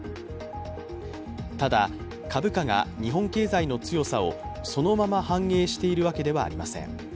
ただ、株価が日本経済の強さをそのまま反映しているわけではありません。